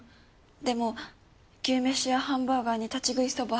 でも牛めしやハンバーガーに立ち食いそば。